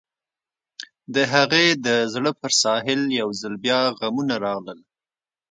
د هغې د زړه پر ساحل يو ځل بيا غمونه راغلل.